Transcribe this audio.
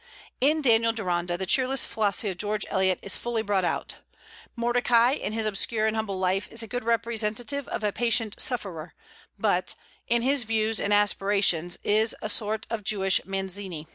In "Daniel Deronda" the cheerless philosophy of George Eliot is fully brought out. Mordecai, in his obscure and humble life, is a good representative of a patient sufferer, but "in his views and aspirations is a sort of Jewish Mazzini."